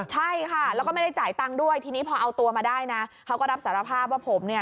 ใช่ค่ะแล้วก็ไม่ได้จ่ายตังค์ด้วยทีนี้พอเอาตัวมาได้นะเขาก็รับสารภาพว่าผมเนี่ย